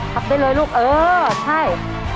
ขับได้เลยลูกเออใช่